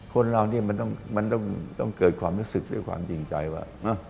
คนเรานี่มันต้องเกิดความรู้สึกด้วยความจริงใจว่า